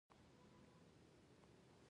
د ښارونو جوړښت د غذایي مازاد له امله ممکن شو.